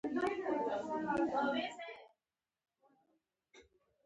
سترې محکمې ته اجازه نه ورکوله چې خنډ شي.